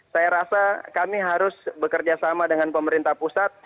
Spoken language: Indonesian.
saya rasa kami harus bekerjasama dengan pemerintah pusat